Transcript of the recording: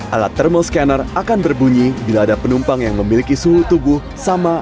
alat thermal scanner akan berbunyi bila ada penumpang yang memiliki suhu tubuh sama